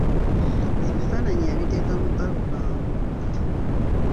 Ebifaananyi yabiteeka mu 'alubamu".